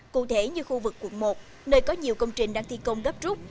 cụ thể như khu vực quận một nơi có nhiều công trình đang thi công gấp trúc